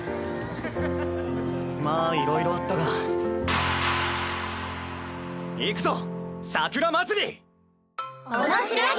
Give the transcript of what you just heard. まあいろいろあったが行くぞ桜まつり！